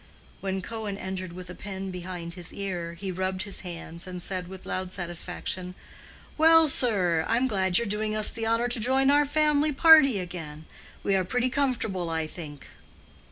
When Cohen entered with a pen behind his ear, he rubbed his hands and said with loud satisfaction, "Well, sir! I'm glad you're doing us the honor to join our family party again. We are pretty comfortable, I think."